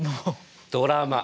ドラマ！